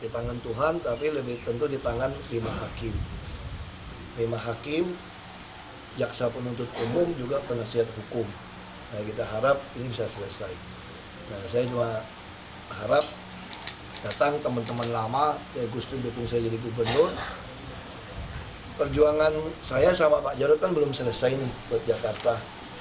perjuangan saya sama pak jarotan belum selesai nih buat jakarta